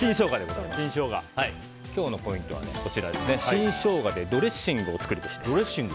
今日のポイントは新ショウガでドレッシングを作るべしです。